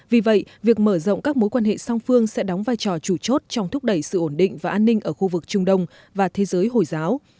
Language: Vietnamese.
vì vậy việc mở rộng các mối quan hệ song phương sẽ đóng vai trò chủ chốt trong thúc đẩy sự ổn định và an ninh ở khu vực trung đông và thế giới hồi giáo